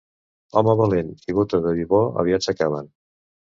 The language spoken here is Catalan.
Home valent i bota de vi bo, aviat s'acaben.